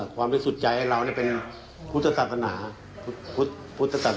พูดโกหกหรือว่าปั้นเรื่องปั้นราคุมาจริง